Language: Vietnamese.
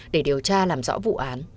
để điều tra làm rõ vụ án